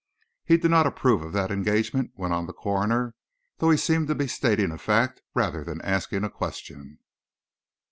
"He did not approve of that engagement?" went on the coroner, though he seemed to be stating a fact, rather than asking a question.